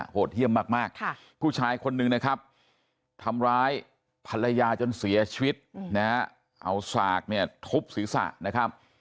โหดเยี่ยมมากผู้ชายคนนึงนะครับทำร้ายภรรยาจนเสียชีวิตนะฮะเอาสากเนี่ยทุบศีรษะนะครับ